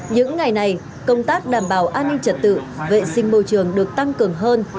những ngày này công tác đảm bảo an ninh trật tự vệ sinh môi trường được tăng cường hơn